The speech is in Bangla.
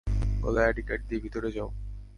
গলায় আইডি কার্ড দিয়ে ভেতরে যাও।